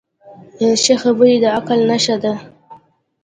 ښه خبرې د عقل نښه ده